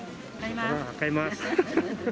買います。